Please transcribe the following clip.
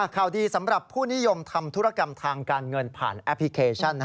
ข่าวดีสำหรับผู้นิยมทำธุรกรรมทางการเงินผ่านแอปพลิเคชัน